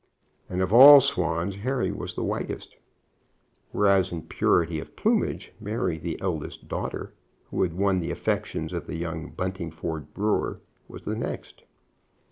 And of all swans Harry was the whitest; whereas, in purity of plumage, Mary, the eldest daughter, who had won the affections of the young Buntingford brewer, was the next.